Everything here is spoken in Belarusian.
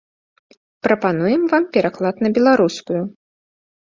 Прапануем вам пераклад на беларускую.